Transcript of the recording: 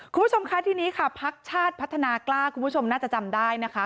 คุณผู้ชมคะทีนี้ค่ะพักชาติพัฒนากล้าคุณผู้ชมน่าจะจำได้นะคะ